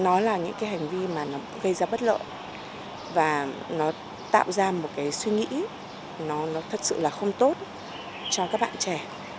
nó là những hành vi gây ra bất lợi và nó tạo ra một suy nghĩ thật sự không tốt cho các bạn trẻ